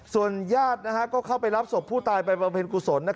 ส่วนญาตน์นะครับก็เข้าไปรับศพผู้ตายไปประเภนกุศล